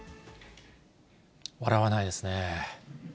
笑わないですね。